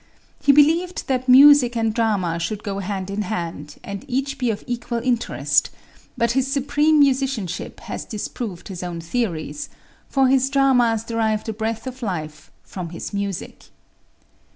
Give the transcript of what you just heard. He believed that music and drama should go hand in hand and each be of equal interest; but his supreme musicianship has disproved his own theories, for his dramas derive the breath of life from his music.